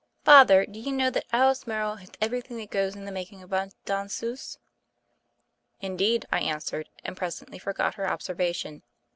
"Father, do you know that Alice Morrow has everything that goes in the making of a danseusef^ "Indeed," I answered; and presently forgot her observation.